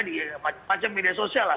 di macam media sosial lah